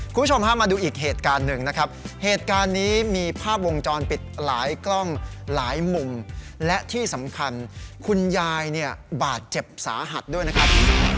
ก็ใช้ชุดเร็วสหัสด้วยนะครับ